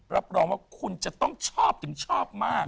รับรองว่าคุณจะต้องชอบถึงชอบมาก